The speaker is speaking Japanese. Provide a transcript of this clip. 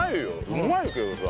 うまいけどさ。